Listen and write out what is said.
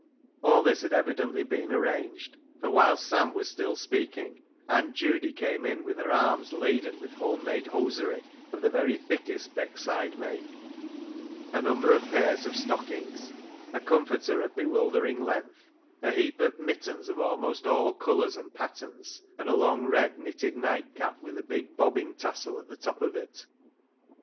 All this had evidently been arranged, for whilst Sam was still speaking Aunt Judy came in with her arms laden with home made hosiery of the very thickest Beckside make : a number of pairs of stockings, a " comforter " of bewildering length, a heap of mittens of almost all colours and patterns, and a long, red, knitted nightcap with a big bobbing tassel at the top of it.